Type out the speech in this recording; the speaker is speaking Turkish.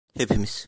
Hepimiz.